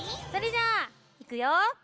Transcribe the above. それじゃあいくよ。